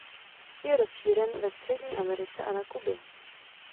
Je rozšířen ve Střední Americe a na Kubě.